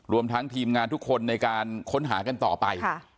รวมทั้งทีมงานทุกคนในการค้นหากันต่อไป